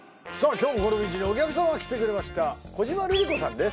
今日もこのビーチにお客様来てくれました小島瑠璃子さんです